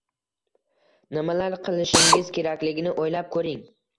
nimalar qilishingiz kerakligini o’ylab ko’ring